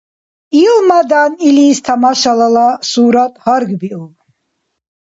Илмадан илис тамашалала сурат гьаргбиуб.